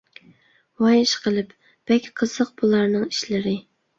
ۋاي ئىشقىلىپ، بەك قىزىق بۇلارنىڭ ئىشلىرى.